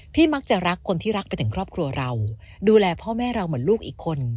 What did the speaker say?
มักจะรักคนที่รักไปถึงครอบครัวเราดูแลพ่อแม่เราเหมือนลูกอีกคน